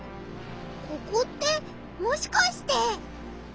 ここってもしかして。